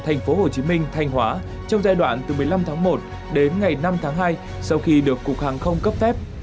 thành phố hồ chí minh thanh hóa trong giai đoạn từ một mươi năm tháng một đến ngày năm tháng hai sau khi được cục hàng không cấp phép